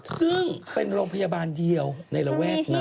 ซึ่งเป็นโรงพยาบาลเดียวในระแวกนั้น